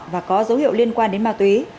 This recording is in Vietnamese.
và có dấu hiệu liên quan đến ma túy